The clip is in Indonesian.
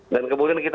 dan kemudian kita